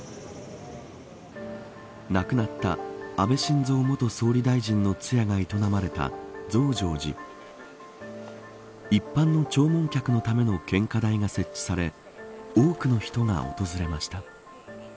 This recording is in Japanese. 亡くなった安倍晋三元総理大臣の通夜が営まれた増上寺一般の弔問客のための献花台が設置され多くの人が訪れました。